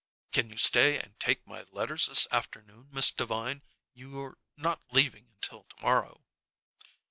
"Can you stay and take my letters this afternoon, Miss Devine? You 're not leaving until to morrow."